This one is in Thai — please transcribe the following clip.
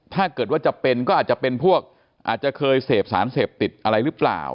ถ้าเกิดว่าจะเป็นก็อาจจะเป็นพวกอาจจะเคยเสพสารเสพติดอะไรหรือเปล่า